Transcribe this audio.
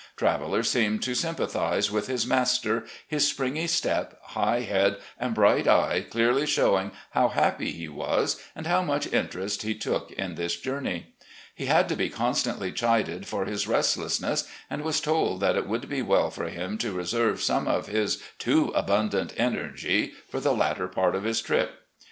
Traveller seemed to sympathise with his master, his springy step, high head, and bright eye clearly showing how happy he was and how much interest he took in this journey. He had to be constantly chided for his restlessness, and was told that it would be well for him to reserve some of his too abundant energy for the latter part of his trip.